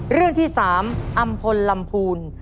เรื่องที่๓อำพลลำพูน